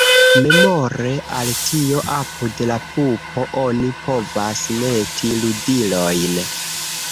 Memore al tio apud la pupo oni povas meti ludilojn.